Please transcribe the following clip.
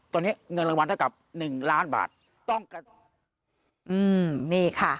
ตอนนี้เงินรางวัลถ้ากับ๑ล้านบาทต้องกระสุน